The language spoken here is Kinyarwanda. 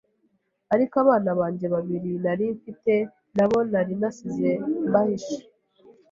ariko abana banjye babiri nari mfite nabo nari nasize mbahishe